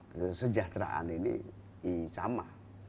kesejahteraan ini sama